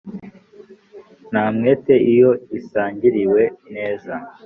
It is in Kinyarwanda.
ntamwete iyo isangiriwe neza